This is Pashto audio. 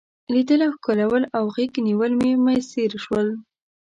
لیدل او ښکلول او غیږ نیول مې میسر شول.